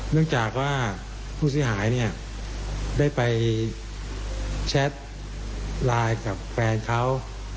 เนื่องจากว่าผู้เสียหายเนี่ยได้ไปแชทไลน์กับแฟนเขา